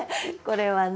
これはね